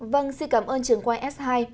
vâng xin cảm ơn trường quay s hai